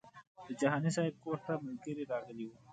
د جهاني صاحب کور ته ملګري راغلي وو.